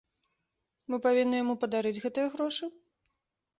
Мы павінны яму падарыць гэтыя грошы?